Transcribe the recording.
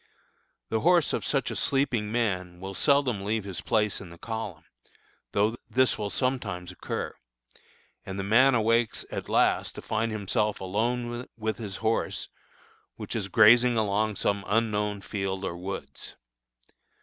The horse of such a sleeping man will seldom leave his place in the column, though this will sometimes occur, and the man awakes at last to find himself alone with his horse which is grazing along some unknown field or woods.